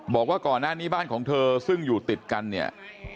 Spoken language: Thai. บอกว่าก่อนหน้านี้บ้านของเธอซึ่งอยู่ติดกันเนี่ย